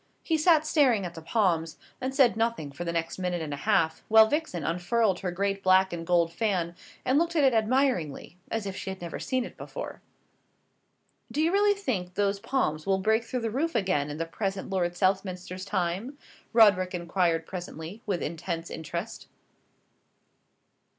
He sat staring at the palms, and said nothing for the next minute and a half, while Vixen unfurled her great black and gold fan, and looked at it admiringly, as if she had never seen it before. "Do you really think those palms will break through the roof again in the present Lord Southminster's time?" Roderick inquired presently, with intense interest.